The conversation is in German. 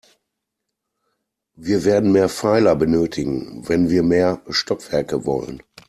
Wir werden mehr Pfeiler benötigen, wenn wir mehr Stockwerke wollen.